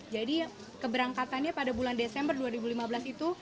jadi keberangkatannya pada bulan desember dua ribu lima belas itu